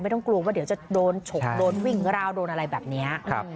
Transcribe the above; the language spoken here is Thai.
ต้องกลัวว่าเดี๋ยวจะโดนฉกโดนวิ่งราวโดนอะไรแบบนี้